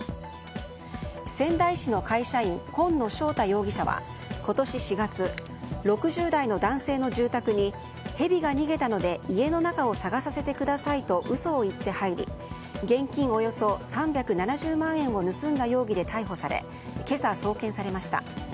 仙台市の会社員今野翔太容疑者は今年４月６０代の男性の住宅にヘビが逃げたので家の中を探させてくださいと嘘を言って入り現金およそ３７０万円を盗んだ容疑で逮捕され今朝、送検されました。